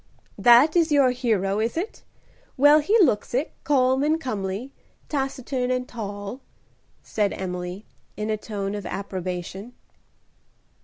"That is your hero, is it? Well, he looks it, calm and comely, taciturn and tall," said Emily, in a tone of approbation.